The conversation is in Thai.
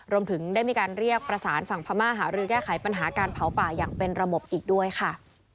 รวมถึงได้มีการเรียกประสานฝั่งพม่าหารือแก้ไขปัญหาการเผาป่าอย่างเป็นระบบอีกด้วยค่ะ